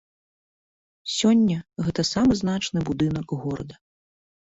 Сёння гэта самы значны будынак горада.